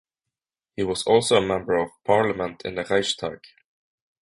He was also a member of parliament in the Reichstag.